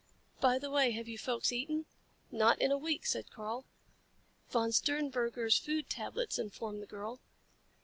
"By the way, have you folks eaten?" "Not in a week," said Karl. "Von Sternberger's food tablets," informed the girl.